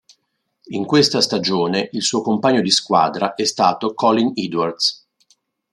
In questa stagione il suo compagno di squadra è stato Colin Edwards.